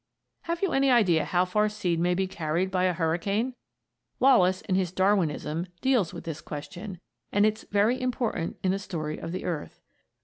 Have you any idea how far seed may be carried by a hurricane? Wallace, in his "Darwinism" deals with this question, and it's very important in the story of the earth.